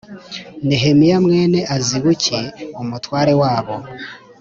Nehemiya mwene Azibuki umutware wabo